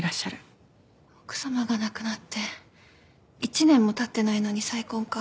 奥様が亡くなって１年も経ってないのに再婚か。